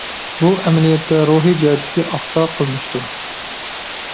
بۇ ئەمەلىيەتتە روھىي جەھەتتىكى ئاختا قىلىنىشتۇر.